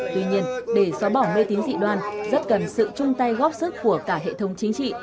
tuy nhiên để xóa bỏ mê tín dị đoan rất cần sự chung tay góp sức của cả hệ thống chính trị